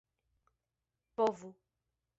povu